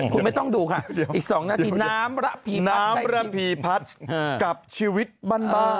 คุณไม่ต้องดูค่ะอีก๒นาทีน้ำระพีน้ำเริ่มพีพัดกับชีวิตบ้าน